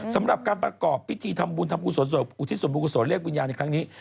สำหรับการประกอบพิธีทำบุญทำกุศลอุทิศส่วนบุญกุศลเรียกวิญญาณในครั้งนี้